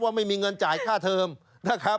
ไม่มีเงินจ่ายค่าเทอมนะครับ